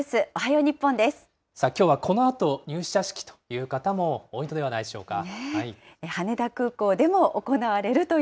きょうはこのあと、入社式という方も多いのではないでしょうか。